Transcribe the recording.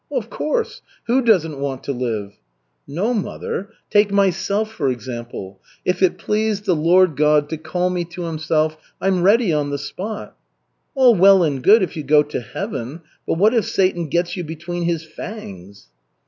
"Of course, who doesn't want to live?" "No, mother. Take myself, for example. If it pleased the Lord God to call me to Himself, I'm ready on the spot." "All well and good if you go to Heaven, but what if Satan gets you between his fangs?"